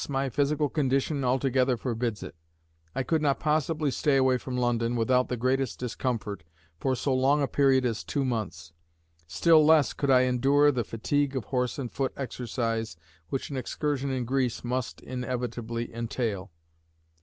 my physical condition altogether forbids it. I could not possibly stay away from London, without the greatest discomfort, for so long a period as two months. Still less could I endure the fatigue of horse and foot exercise which an excursion in Greece must inevitably entail."